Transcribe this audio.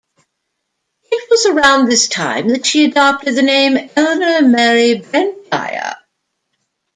It was around this time that she adopted the name Elinor Mary Brent-Dyer.